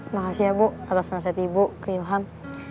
makasih ya bu atas nasihat ibu ke ilham